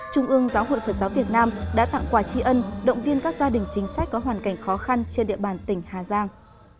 trung ương giáo hội phật giáo việt nam đã tặng quà tri ân động viên các gia đình chính sách có hoàn cảnh khó khăn trên địa bàn tỉnh hà giang